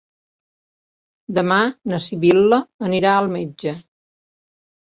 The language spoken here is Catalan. Demà na Sibil·la anirà al metge.